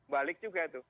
balik juga itu